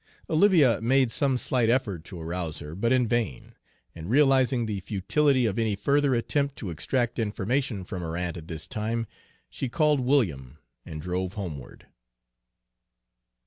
Olivia made some slight effort to arouse her, but in vain, and realizing the futility of any further attempt to extract information from her aunt at this time, she called William and drove homeward.